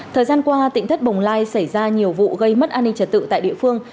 thời gian qua tỉnh thất bồng lai xảy ra nhiều vụ gây mất an ninh trật tự tại địa phương